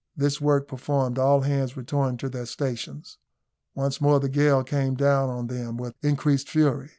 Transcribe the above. This work performed, all hands returned to their stations. Once more the gale came down on them with increased fury.